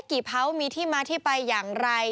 กี่เผามีที่มาที่ไปอย่างไร